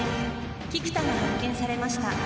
菊田が発見されました。